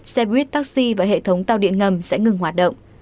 xe buýt taxi và hệ thống tàu điện ngầm sẽ ngừng hoạt động